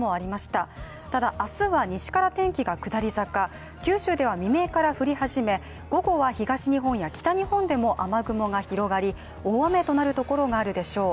ただ明日は西から天気が下り坂、九州では未明から降り始め、午後は東日本や北日本でも雨雲が広がり、大雨となるところがあるでしょう